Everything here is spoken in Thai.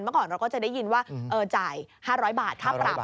เมื่อก่อนเราก็จะได้ยินว่าจ่าย๕๐๐บาทค่าปรับ